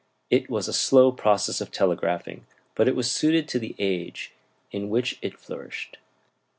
It was a slow process of telegraphing, but it was suited to the age in which it flourished.